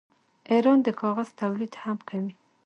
ایران د کاغذ تولید هم کوي.